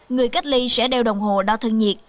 người cách ly sẽ đeo đồng hồ đo thân nhiệt